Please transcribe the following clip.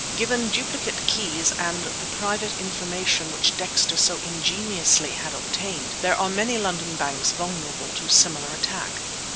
Given duplicate keys and the private information which Dexter so ingeniously had obtained, there are many London banks vulnerable to similar attack.